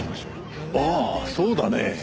ああそうだね。